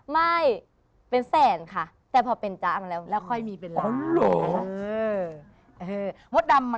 ไม่เป็นแสนค่ะแต่พอเป็นจ๊ะมาแล้วแล้วค่อยมีเป็นล้าน